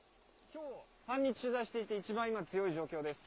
きょう半日取材していて、一番今、強い状況です。